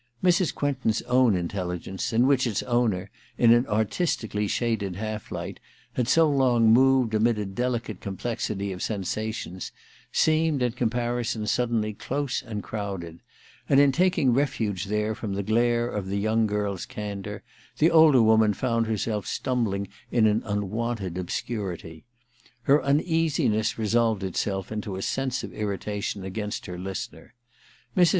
Mrs. Quentin's own intelligence, in which Its owner, in an artistically shaded half light, had so long moved amid a delicate com plexity of sensations, seemed in comparison suddenly close and crowded ; and in taking refuge there from the glare of the young girl's candour, the older woman found herself stumb ling in an unwonted obscurity. Her uneasiness resolved itself into a sense of irritation against her listener. Mrs.